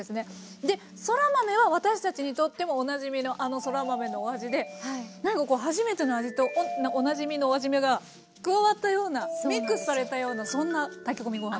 そら豆は私たちにとってもおなじみのあのそら豆のお味でなんかこう初めての味とおなじみのお味が加わったようなミックスされたようなそんな炊き込みご飯です。